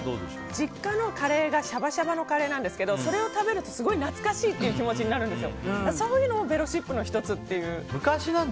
実家のカレーがしゃばしゃばのカレーなんですけどそれを食べると、すごい懐かしいという気持ちになるんですよ。